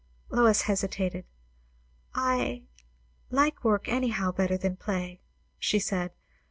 Lois hesitated. "I like work anyhow better than play," she said.